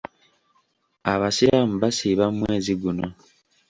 Abasiraamu basiiba mu mwezi guno.